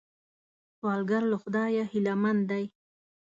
سوالګر له خدایه هیلمن دی